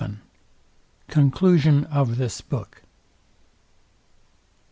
VII. CONCLUSION OF THIS BOOK.